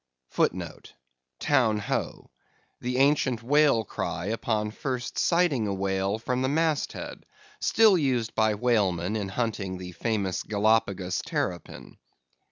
*The ancient whale cry upon first sighting a whale from the mast head, still used by whalemen in hunting the famous Gallipagos terrapin.